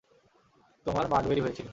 তোমার মাড ওয়েরি হয়েছিল।